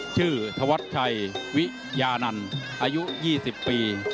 ชื่อทวัตชัยวิยานันอายุ๒๐ปี